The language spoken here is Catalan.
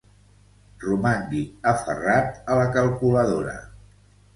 Romangui aferrat a la calculadora.